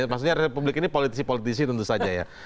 maksudnya republik ini politisi politisi tentu saja ya